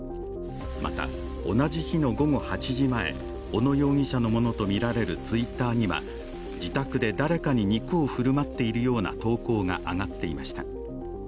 また、同じ日の午後８時前小野容疑者のものとみられるＴｗｉｔｔｅｒには、自宅で誰かに肉を振る舞っているような投稿が上がっていました。